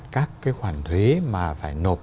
các khoản thuế mà phải nộp